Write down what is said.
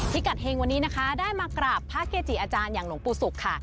พิกัดเฮงวันนี้นะคะได้มากราบพระเกจิอาจารย์อย่างหลวงปู่ศุกร์ค่ะ